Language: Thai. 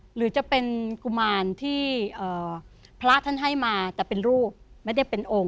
หรือจะเป็นกุมารที่พระท่านให้มาแต่เป็นรูปไม่ได้เป็นองค์